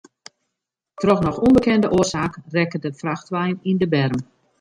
Troch noch ûnbekende oarsaak rekke de frachtwein yn de berm.